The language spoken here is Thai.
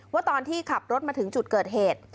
ว่าตอนที่ขับรถมาถึงจุดเกิดเหตุ